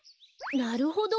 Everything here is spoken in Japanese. なるほど。